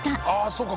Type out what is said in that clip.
そうか。